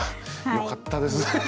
よかったです